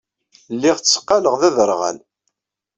Lliɣ tteqqaleɣ d aderɣal.